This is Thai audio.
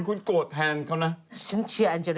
คุณโกรธแทนเขานะ